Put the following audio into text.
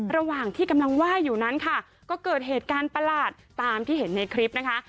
ระหว่างที่กำลังไหว้อยู่นั้นค่ะก็เกิดเหตุการณ์ประหลาดตามที่เห็นในคลิปนะคะ